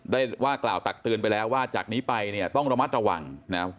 ได้ว่ากล่าวตักเตือนไปแล้วว่าจากนี้ไปเนี่ยต้องระมัดระวังนะ